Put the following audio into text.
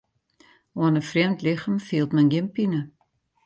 Oan in frjemd lichem fielt men gjin pine.